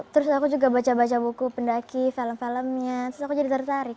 terus aku juga baca baca buku pendaki film filmnya terus aku jadi tertarik